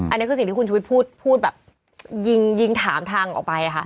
อันนี้คือสิ่งที่คุณชุวิตพูดแบบยิงถามทางออกไปค่ะ